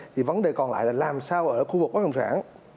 thì vấn đề còn lại là làm sao ở khu vực bất động sản